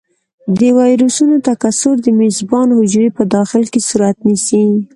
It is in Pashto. د ویروسونو تکثر د میزبان حجرې په داخل کې صورت نیسي.